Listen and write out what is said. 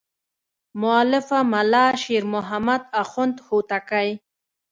مؤلفه ملا شیر محمد اخوند هوتکی.